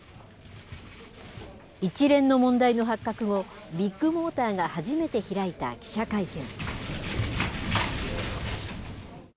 一連の問題の発覚後、ビッグモーターが初めて開いた記者会見。